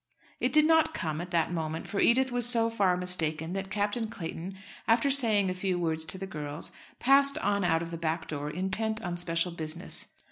It did not "come" at that moment, for Edith was so far mistaken that Captain Clayton, after saying a few words to the girls, passed on out of the back door, intent on special business.